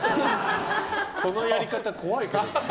そのやり方、怖いけど。